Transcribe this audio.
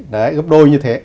đấy gấp đôi như thế